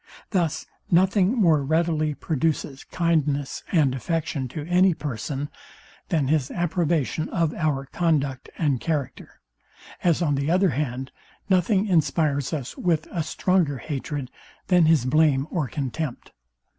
Thus nothing more readily produces kindness and affection to any person, than his approbation of our conduct and character: As on the other hand, nothing inspires us with a stronger hatred, than his blame or contempt.